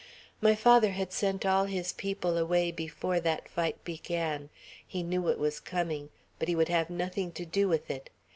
My father had sent all his people away before that fight began. He knew it was coming, but he would have nothing to do with it.